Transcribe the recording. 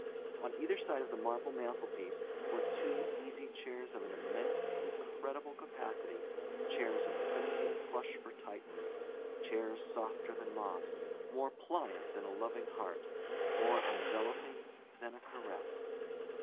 On either side of the marble mantelpiece were two easy chairs of an immense, incredible capacity, chairs of crimson plush for Titans, chairs softer than moss, more pliant than a loving heart, more enveloping than a caress.